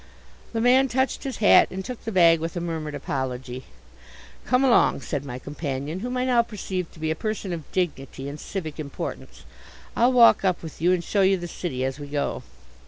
The man touched his hat and took the bag with a murmured apology. "Come along," said my companion, whom I now perceived to be a person of dignity and civic importance. "I'll walk up with you, and show you the city as we go."